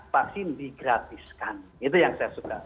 vaksin di gratiskan itu yang saya suka